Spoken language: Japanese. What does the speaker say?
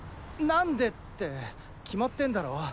なんでって決まってんだろ。